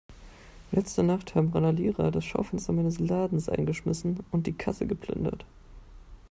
Letzte Nacht haben Randalierer das Schaufenster meines Ladens eingeschmissen und die Kasse geplündert.